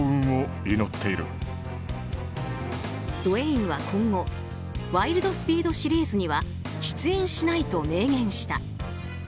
ドウェインは今後「ワイルド・スピード」シリーズには出演しないと明言した。